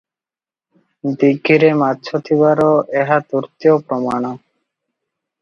ଦୀଘିରେ ମାଛ ଥିବାର ଏହା ତୃତୀୟ ପ୍ରମାଣ ।